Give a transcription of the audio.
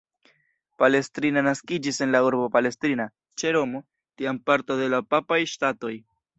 Palestrina naskiĝis en la urbo Palestrina, ĉe Romo, tiam parto de la Papaj Ŝtatoj.